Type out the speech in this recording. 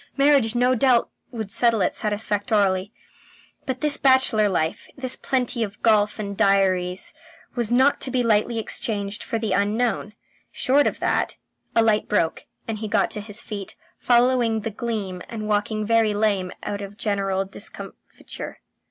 Marriage no doubt would settle it satisfactorily, but this bachelor life, with plenty of golf and diaries, was not to be lightly exchanged for the unknown. Short of that ... A light broke, and he got to his feet, following the gleam and walking very lame out of general discomfiture.